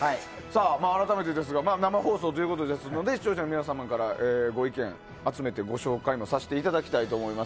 改めて生放送ということですので視聴者の皆様からご意見を集めてご紹介させていただきたいと思います。